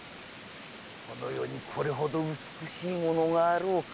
この世にこれほど美しいものがあろうか？